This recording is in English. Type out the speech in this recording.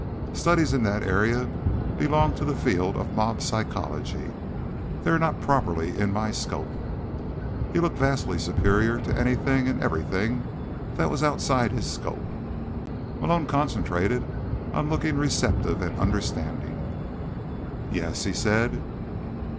Studies in that area belong to the field of mob psychology; they are not properly in my scope." He looked vastly superior to anything and everything that was outside his scope. Malone concentrated on looking receptive and understanding. "Yes?" he said.